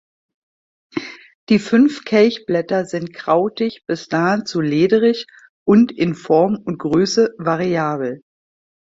Die fünf Kelchblätter sind krautig bis nahezu lederig und in Form und Größe variabel.